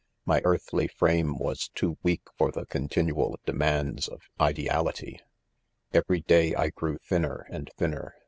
My earthly frame was 'too weak for the continual demands of " ideality." 'Every day I grew thinner and thinner